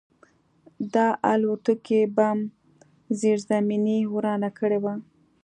د الوتکې بم زیرزمیني ورانه کړې وه